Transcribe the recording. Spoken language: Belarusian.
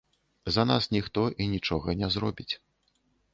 За нас ніхто і нічога не зробіць.